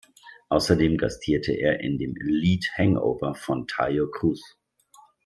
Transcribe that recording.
Außerdem gastierte er in dem Lied "Hangover" von Taio Cruz.